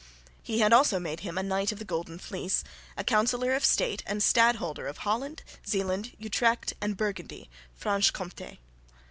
He had also made him a Knight of the Golden Fleece, a Councillor of State and Stadholder of Holland, Zeeland, Utrecht and Burgundy (Franche Comté).